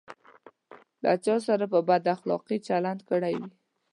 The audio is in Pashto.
له چا سره په بد اخلاقي چلند کړی وي.